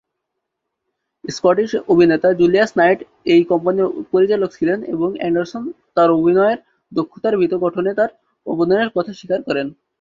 Scottish অভিনেতা Julius Knight এই কোম্পানির পরিচালক ছিলেন এবং অ্যান্ডারসন তার অভিনয়ের দক্ষতার ভিত গঠনে তার অবদানের কথা স্বীকার করেন।